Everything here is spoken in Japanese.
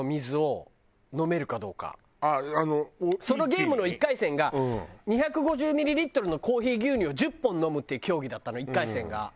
そのゲームの１回戦が２５０ミリリットルのコーヒー牛乳を１０本飲むっていう競技だったの１回戦が。